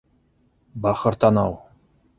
Бахыр танау!